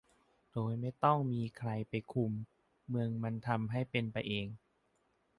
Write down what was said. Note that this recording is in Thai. โดยไม่ต้องมีใครไปคุม เมืองมันทำให้เป็นไปเอง